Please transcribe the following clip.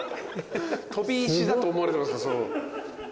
飛び石だと思われてます。